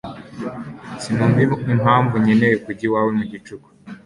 Sinumva impamvu nkeneye kujya iwawe mu gicuku